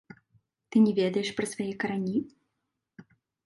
Ты не ведаеш пра свае карані?